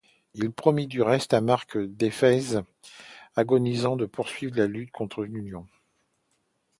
Il promit du reste à Marc d’Éphèse agonisant de poursuivre la lutte contre l’Union.